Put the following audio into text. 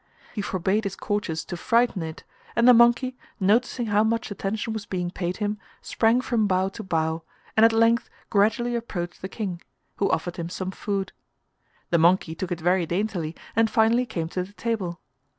He forbade his courtiers to frighten it, and the monkey, noticing how much attention was being paid him, sprang from bough to bough, and at length gradually approached the King, who offered him some food. The monkey took it very daintily and finally came to the table.